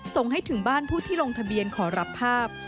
ส่วนผู้ที่ลงทะเบียนขอรับภาพ